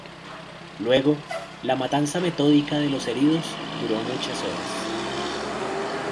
Luego, la matanza metódica de los heridos duró muchas horas.